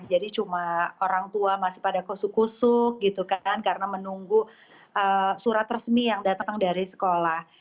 jadi cuma orang tua masih pada kusuk kusuk gitu kan karena menunggu surat resmi yang datang dari sekolah